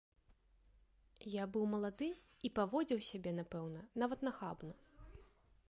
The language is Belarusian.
Я быў малады і паводзіў сябе, напэўна, нават нахабна.